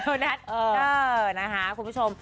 โดนนัทเออนะฮะคุณผู้ชม